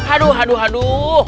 aduh aduh aduh